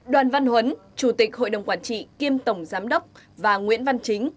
đoàn văn huấn chủ tịch hội đồng quản trị kiêm tổng giám đốc và nguyễn văn chính